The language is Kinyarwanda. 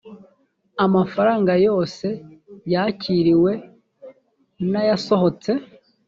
amafaranga yose yakiriwe n ayasohotse